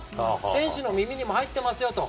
選手の耳にも入ってますよと。